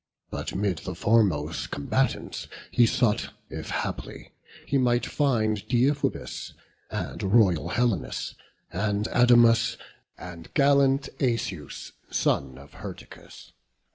But 'mid the foremost combatants he sought If haply he might find Deiphobus, And royal Helenus, and Adamas, And gallant Asius, son of Hyrtacus.